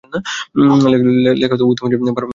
লেখা উত্তম হইতেছে, বরাবর লিখিয়া যাও।